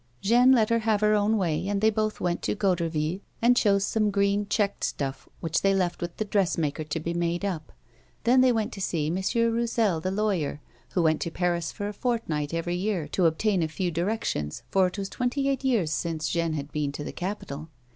Jeanne let her have her own way, and they botli went to Goderville and chose some green, checked stuff, which they left with the dressmaker to be made up. Then they went to see Me. Roussel the lawyer, who went to Paris for a fort night every year, to obtain a few directions, for it was twenty eight years since Jeanne had been to the capital.